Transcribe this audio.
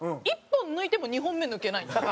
１本抜いても２本目抜けないんです。